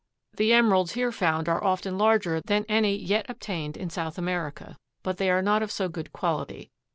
The emeralds here found are often larger than any yet obtained in South America, but they are not of so good quality.